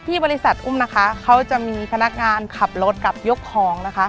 บริษัทอุ้มนะคะเขาจะมีพนักงานขับรถกับยกของนะคะ